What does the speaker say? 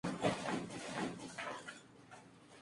Este desierto tiene las mayores dunas estacionarias de la Tierra.